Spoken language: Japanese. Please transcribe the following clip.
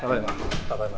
ただいま。